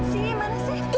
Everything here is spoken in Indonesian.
sini mana sih